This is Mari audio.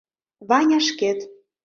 Ваня шкет.